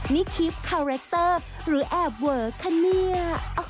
นี่คลิปคาแรคเตอร์หรือแอบเวอะคะเนี่ย